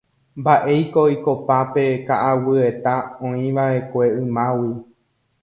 mba'éiko oikopa pe ka'aguyeta oĩva'ekue ymágui